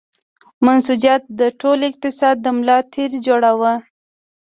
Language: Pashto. منسوجات د ټول اقتصاد د ملا تیر جوړاوه.